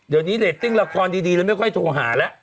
เดี๋ยวนี้เรตติ้งละครดีเลยไม่ค่อยโทรหาแล้ว